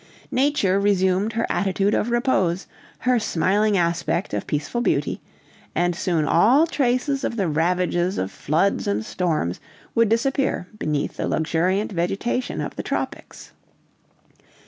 Nature resumed her attitude of repose, her smiling aspect of peaceful beauty; and soon all traces of the ravages of floods and storms would disappear beneath the luxuriant vegetation of the tropics.